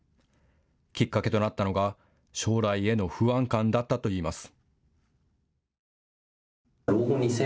きっかけとなったのが将来への不安感だったといいます。